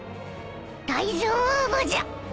大丈夫じゃ。